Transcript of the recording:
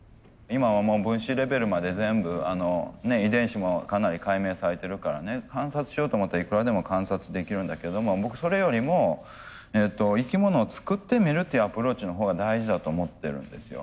今はもう分子レベルまで全部遺伝子もかなり解明されてるからね観察しようと思ったらいくらでも観察できるんだけれども僕それよりも生き物を作ってみるっていうアプローチのほうが大事だと思ってるんですよ。